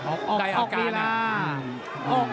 ออกออกออกนิราใกล้อาการ